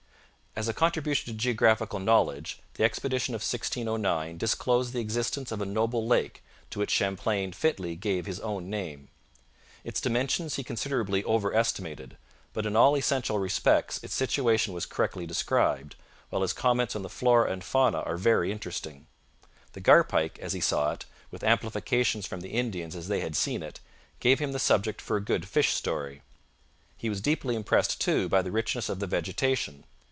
As a contribution to geographical knowledge the expedition of 1609 disclosed the existence of a noble lake, to which Champlain fitly gave his own name. Its dimensions he considerably over estimated, but in all essential respects its situation was correctly described, while his comments on the flora and fauna are very interesting. The garpike as he saw it, with amplifications from the Indians as they had seen it, gave him the subject for a good fish story. He was deeply impressed, too, by the richness of the vegetation.